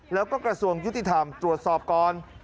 แล้วก็กระทรวงยุติธรรมตรวจสอบก่อน